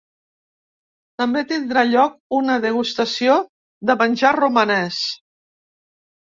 També tindrà lloc una degustació de menjar romanès.